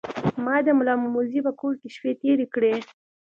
ما د ملامموزي په کور کې شپې تیرې کړې.